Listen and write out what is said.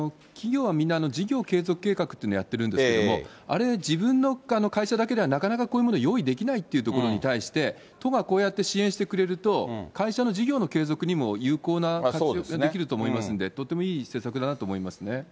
企業はみんな、事業継続計画っていうのをやってるんですけど、あれ、自分の会社だけではなかなかこういうもの用意できないというところに対して、都がこうやって支援してくれると会社の事業の継続にも有効な、できると思いますので、とてもいい施策だなと思いますね。